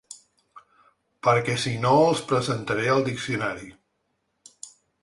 Perquè si no els presentaré el diccionari.